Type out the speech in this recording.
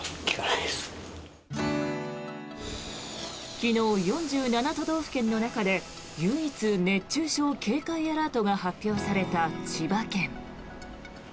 昨日４７都道府県の中で唯一熱中症警戒アラートが発表された千葉県。